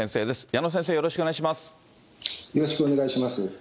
矢野先生、よろしくお願いします。